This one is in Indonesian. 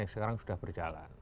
yang sekarang sudah berjalan